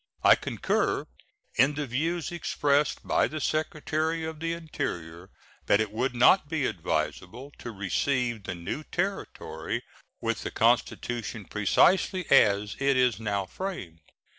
I concur in the views expressed by the Secretary of the Interior, that it would not be advisable to receive the new Territory with the constitution precisely as it is now framed.